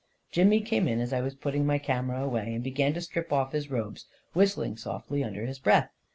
Jimmy came in as I was putting my camera away, and began to strip off his robes, whistling softly under his breath.